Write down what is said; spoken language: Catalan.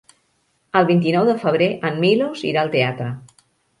El vint-i-nou de febrer en Milos irà al teatre.